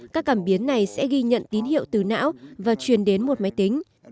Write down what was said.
các cảm biến này sẽ ghi nhận tín hiệu từ não và truyền đến một máy tính